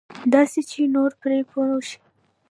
داسې چې نور پرې پوه شي.